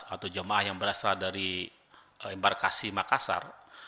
atau jemaah yang berasal dari embarkasi makassar